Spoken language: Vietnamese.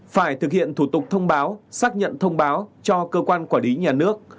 phải thực hiện thủ tục thông báo xác nhận thông báo cho cơ quan quản lý nhà nước